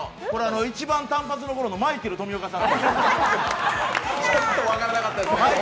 一番短髪なころのマイケル富岡さん。